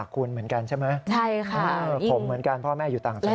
คุณเหมือนกันใช่ไหมใช่ค่ะผมเหมือนกันพ่อแม่อยู่ต่างจังหวัด